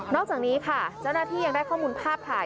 อกจากนี้ค่ะเจ้าหน้าที่ยังได้ข้อมูลภาพถ่าย